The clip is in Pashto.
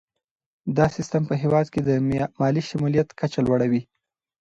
دا سیستم په هیواد کې د مالي شمولیت کچه لوړوي.